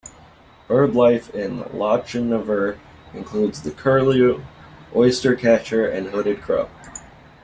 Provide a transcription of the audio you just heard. Birdlife in Lochinver includes the curlew, oystercatcher and hooded crow.